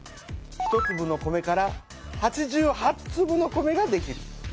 １つぶの米から８８つぶの米ができる。